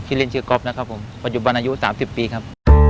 เล่นชื่อก๊อฟนะครับผมปัจจุบันอายุ๓๐ปีครับ